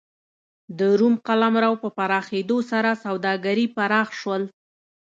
د روم قلمرو په پراخېدو سره سوداګري پراخ شول.